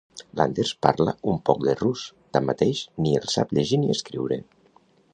Landers parla un poc de rus; tanmateix, ni el sap llegir ni escriure.